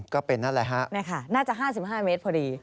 คงเป็นน่ะแล้วน่าจะ๕๕เซนติเมตรพอดี